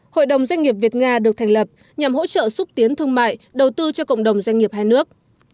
hội đồng doanh nghiệp việt nga được thành lập nhằm hỗ trợ xúc tiến thương mại đầu tư cho cộng đồng doanh nghiệp hai nước